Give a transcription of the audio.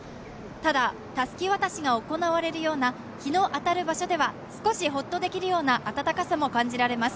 ただ、たすき渡しが行われるような日の当たる場所では少しホッとできるような暖かさも感じられます。